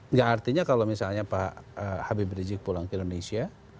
nggak artinya kalau misalnya pak habib rizik pulang ke indonesia